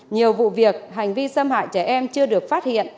nhiều vụ việc hành vi xâm hại trẻ em chưa được phát hiện